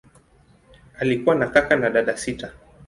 Alikuwa na kaka na dada sita.